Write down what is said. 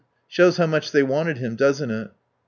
Shows how much they wanted him, doesn't it?"